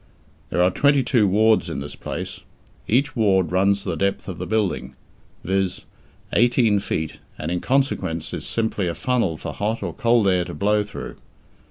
There are twenty two wards in this place. Each ward runs the depth of the building, viz., eighteen feet, and in consequence is simply a funnel for hot or cold air to blow through.